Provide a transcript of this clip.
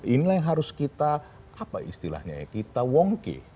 inilah yang harus kita apa istilahnya ya kita wongke